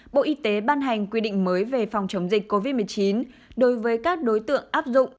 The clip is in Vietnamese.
bộ y tế ban hành quy định mới về phòng chống dịch covid một mươi chín đối với các đối tượng áp dụng